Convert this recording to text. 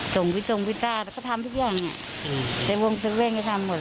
จงวิจารณ์แล้วก็ทำทุกอย่างในวงเตอร์เว่งก็ทำหมด